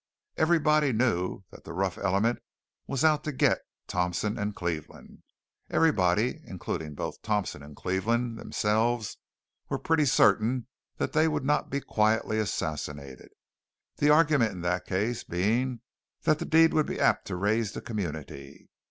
Everybody knew that the rough element was out to "get" Thompson and Cleveland. Everybody, including both Thompson and Cleveland themselves, was pretty certain that they would not be quietly assassinated, the argument in that case being that the deed would be too apt to raise the community.